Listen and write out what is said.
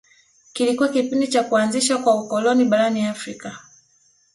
Kilikuwa kipindi cha kuanzishwa kwa ukoloni barani Afrika